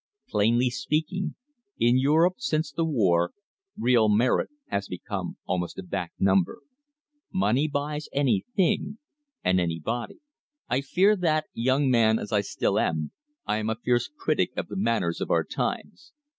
Plainly speaking, in Europe since the war, real merit has become almost a back number. Money buys anything and anybody. I fear that, young man as I still am, I am a fierce critic of the manners of our times.